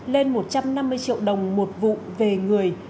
lên một trăm năm mươi triệu đồng một vụ về người